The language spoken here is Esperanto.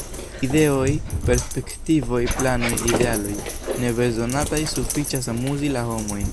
Ideoj, perspektivoj, planoj, idealoj – ne bezonataj; sufiĉas amuzi la homojn.